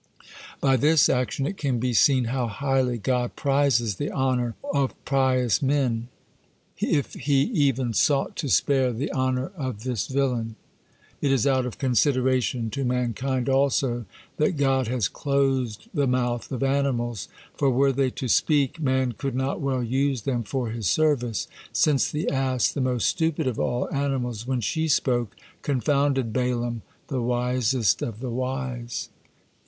By this action it can be seen how highly God prizes the honor or pious men, if He even sought to spare the honor of this villain. It is out of consideration to mankind, also, that God has closed the mouth of animals, for were they to speak, man could not well use them for his service, since the ass, the most stupid of all animals, when she spoke, confounded Balaam, the wisest of the wise.